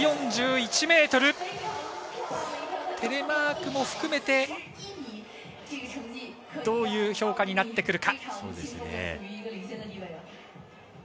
テレマークも含めてどういう評価になってくるか。